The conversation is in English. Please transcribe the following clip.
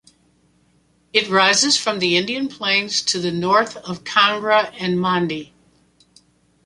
It rises from the Indian plains to the north of Kangra and Mandi.